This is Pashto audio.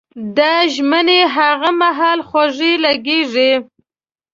دا ژمنې هغه مهال خوږې لګېږي.